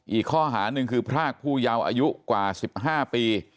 อีกข้อหาหนึ่งคือพรากผู้เยาว์อายุกว่า๑๕ปี